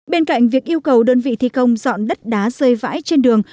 bên cạnh việc yêu cầu đơn vị thi công dọn đất đá rơi vãi trên đường